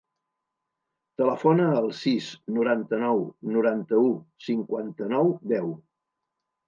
Telefona al sis, noranta-nou, noranta-u, cinquanta-nou, deu.